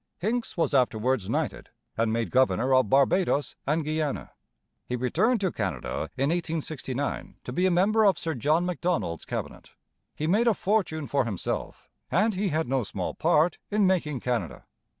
Hincks was afterwards knighted and made governor of Barbados and Guiana. He returned to Canada in 1869 to be a member of Sir John Macdonald's Cabinet. He made a fortune for himself and he had no small part in making Canada.